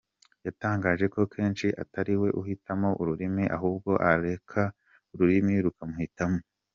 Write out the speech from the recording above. Yatangaje ko kenshi atari we uhitamo ururimi ahubwo arareka ururimi rukamuhitamo.